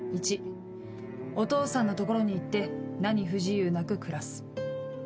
１お父さんの所に行って何不自由なく暮らす。